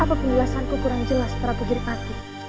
apa penjelasanku kurang jelas prabu girmat